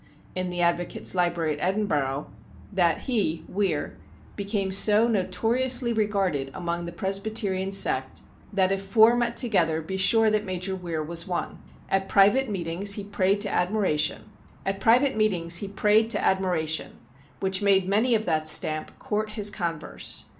in the Advocates' Library at Edinburgh, that ' he (Weir) became so notoriously regarded among the Presbyterian sect that if four met together be sure that Major Weir was one. At private meetings he prayed to admiration, which made many of that stamp court his converse.